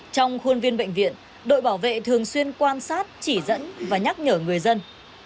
trong khuôn viên bệnh viện đội bảo vệ thường xuyên quan sát chỉ dẫn và nhắc nhở người dân